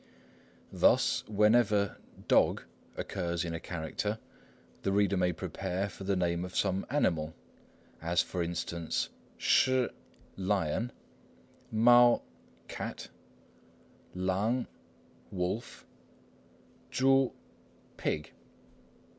Thus, whenever 犭 "dog" occurs in a character, the reader may prepare for the name of some animal, as for instance 狮 shih "lion," 猫 mao "cat," 狼 lang "wolf", 猪 ehu "pig."